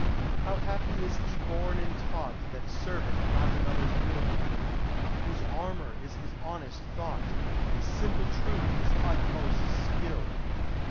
How happy is he born and taught That serveth not another's will ; Whose armor is his honest thought, And simple truth his utmost skill!